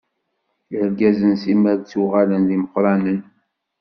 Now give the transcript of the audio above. Irgazen simmal ttuɣalen d imeqqṛanen.